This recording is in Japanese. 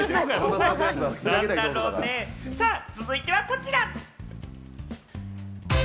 続いてはこちら！